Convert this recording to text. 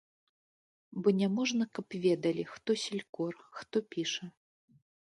Бо няможна, каб ведалі, хто селькор, хто піша.